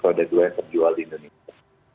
jadi ada dua yang terjual di indonesia